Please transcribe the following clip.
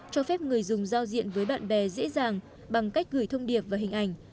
cho phép người dùng giao diện với bạn bè dễ dàng bằng cách gửi thông điệp và hình ảnh